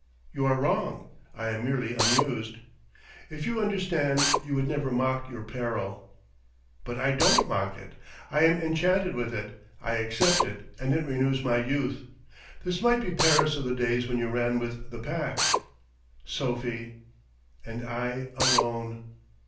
"You are wrong. I am merely amused." "If you understood, you could never mock your peril." "But I don't mock it. I am enchanted with it. I accept it, and it renews my youth. This might be Paris of the days when you ran with the Pack, Sophie and I alone!"